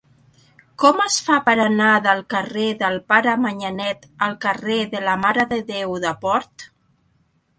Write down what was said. Com es fa per anar del carrer del Pare Manyanet al carrer de la Mare de Déu de Port?